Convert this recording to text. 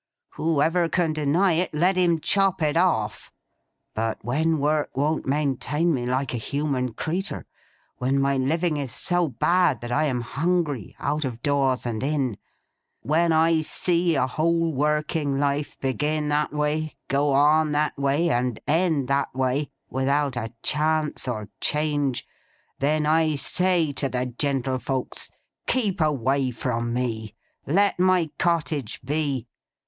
Whoever can deny it, let him chop it off! But when work won't maintain me like a human creetur; when my living is so bad, that I am Hungry, out of doors and in; when I see a whole working life begin that way, go on that way, and end that way, without a chance or change; then I say to the gentlefolks "Keep away from me! Let my cottage be.